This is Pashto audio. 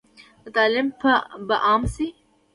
تعلیم به عام شي؟